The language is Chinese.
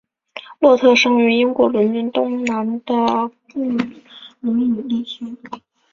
洛特生于英国伦敦东南的布罗姆利区。